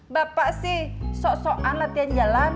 bapak sih sok sokan latihan jalan